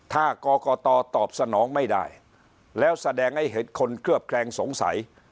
ถ้ากรกตตอบสนองไม่ได้แล้วแสดงให้เห็นคนเคลือบแคลงสงสัย